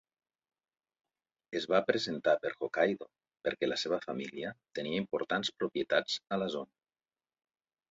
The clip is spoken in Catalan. Es va presentar per Hokkaido perquè la seva família tenia importants propietats a la zona.